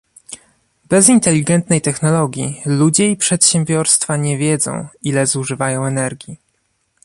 Bez inteligentnej technologii ludzie i przedsiębiorstwa nie wiedzą, ile zużywają energii